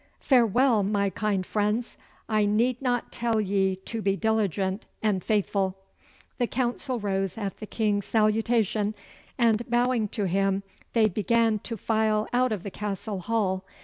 Farewell, my kind friends! I need not tell ye to be diligent and faithful.' The council rose at the King's salutation, and bowing to him they began to file out of the Castle hall.